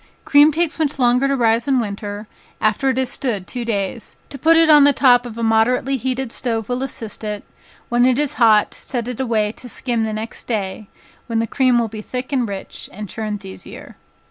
Cream takes much longer to rise in winter, after it has stood two days, to put it on the top of a moderately heated stove will assist it, when it is hot, set it away to skim the next day, when the cream will be thick and rich, and churns easier.